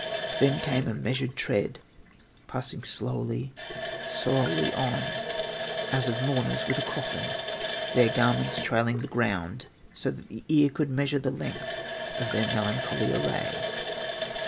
Then came a measured tread, passing slowly, slowly on as of mourners with a coffin, their garments trailing the ground so that the ear could measure the length of their melancholy array.